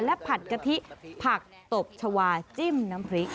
และผัดกะทิผักตบชาวาจิ้มน้ำพริก